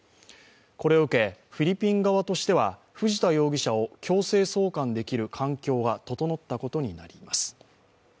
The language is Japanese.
これを受け、フィリピン側としては藤田容疑者を強制送還できる環境が整ったことになります。